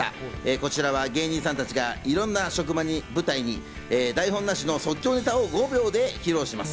こちらは芸人さんたちがいろいろな職場を舞台に台本なしの即興ネタを５秒で披露します。